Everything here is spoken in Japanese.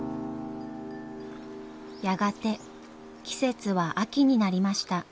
やがて季節は秋になりました。